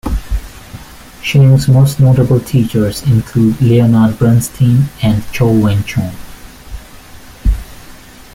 Sheng's most notable teachers include Leonard Bernstein and Chou Wen-Chung.